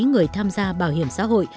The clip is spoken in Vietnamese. người tham gia bảo hiểm xã hội